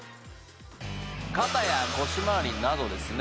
肩や腰周りなどですね